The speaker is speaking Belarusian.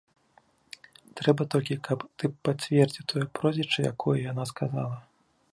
Трэба толькі, каб ты пацвердзіў тое прозвішча, якое яна сказала.